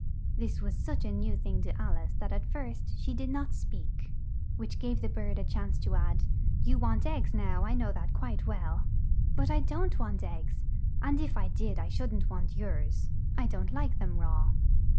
This was such a new thing to Al ice that at first, she did not speak, which gave the bird a chance to add, "You want eggs now, I know that quite well." "But I don't want eggs, and if I did I should n't want yours. I don't like them raw."